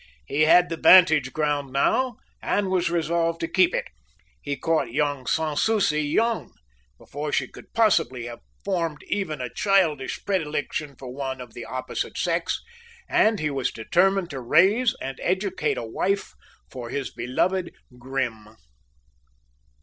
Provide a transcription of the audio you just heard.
He had the vantage ground now, and was resolved to keep it. He had caught Sans Souci young, before she could possibly have formed even a childish predilection for one of the opposite sex, and he was determined to raise and educate a wife for his beloved Grim.